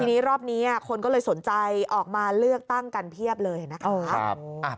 ทีนี้รอบนี้คนก็เลยสนใจออกมาเลือกตั้งกันเพียบเลยนะคะ